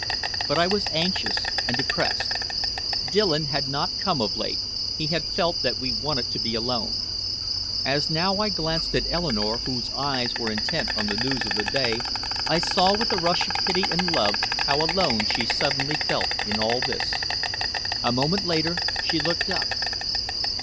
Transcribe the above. But I was anxious and depressed. Dillon had not come of late, he had felt that we wanted to be alone. As now I glanced at Eleanore, whose eyes were intent on the news of the day, I saw with a rush of pity and love how alone she suddenly felt in all this. A moment later she looked up.